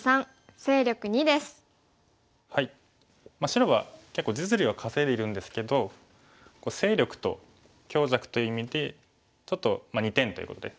白は結構実利は稼いでいるんですけど勢力と強弱という意味でちょっと２点ということで。